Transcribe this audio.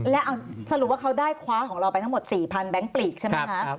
และสรุปว่าเขาได้คว้าของเราไปทั้งหมด๔๐๐แบงค์ปลีกใช่ไหมคะ